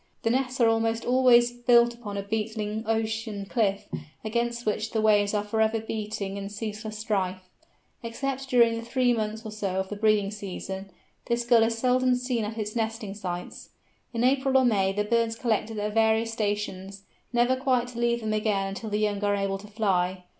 The nests are almost always built upon a beetling ocean cliff, against which the waves are for ever beating in ceaseless strife. Except during the three months or so of the breeding season, this Gull is seldom seen at its nesting sites. In April or May the birds collect at their various stations, never quite to leave them again until the young are able to fly.